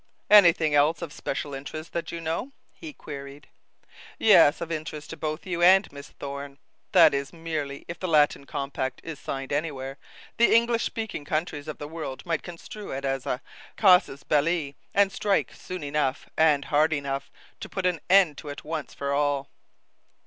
"Anything else of special interest that you know?" he queried. "Yes, of interest to both you and Miss Thorne. That is merely if the Latin compact is signed anywhere, the English speaking countries of the world might construe it as a casus belli and strike soon enough, and hard enough, to put an end to it once for all."